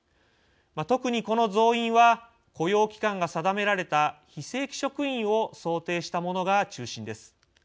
特にこの増員は雇用期間が定められた非正規職員を想定したものが中心です。